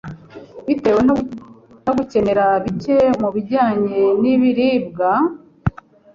bitewe no gukenera bike mu bijyanye n'ibiribwa